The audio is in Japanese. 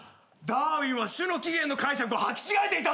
ダーウィンは『種の起源』の解釈とはき違えていたんだ。